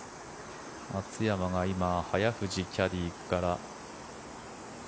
松山が今、早藤キャディーから。